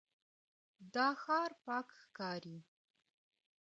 دا ښار پاک ښکاري.